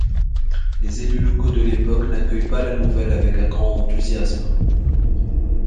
Les élus locaux de l'époque n'accueillent pas la nouvelle avec un grand enthousiasme.